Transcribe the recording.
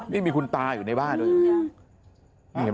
นี่มีคุณตาอยู่ในบ้านด้วย